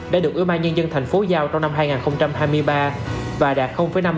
đã được ubnd tp hcm giao trong năm hai nghìn hai mươi ba và đạt năm mươi hai